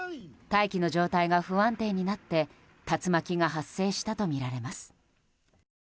大気の状態が不安定になって竜巻が発生したとみられます。